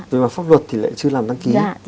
với mà pháp luật thì lại chưa làm đăng ký